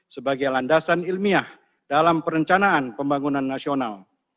sebagai landasan ilmiah dalam perencanaan pembangunan nasional